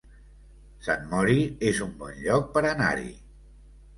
Sant Mori es un bon lloc per anar-hi